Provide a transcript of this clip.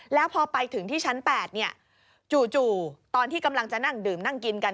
แล้วพอไปถึงที่ชั้น๘จู่ตอนที่กำลังจะนั่งดื่มนั่งกินกัน